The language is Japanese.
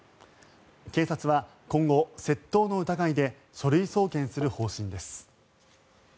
警察は今後、窃盗の疑いで書類送検する方針です。